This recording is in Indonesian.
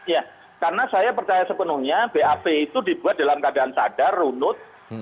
ya karena saya percaya sepenuhnya bap itu dibuat dalam keadaan sadar runut